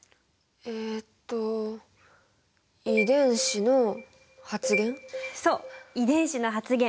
えっとそう遺伝子の発現。